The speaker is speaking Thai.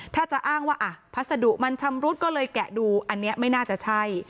ถ้าจะอ้างว่าพัสดุมันชำรุดก็เลยแกะดูอันนี้ไม่น่าจะใช่